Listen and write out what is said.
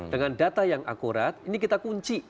dengan data yang akurat ini kita kunci